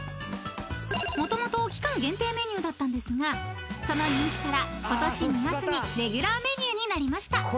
［もともと期間限定メニューだったんですがその人気から今年２月にレギュラーメニューになりました］